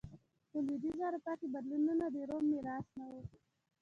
په لوېدیځه اروپا کې بدلونونه د روم میراث نه و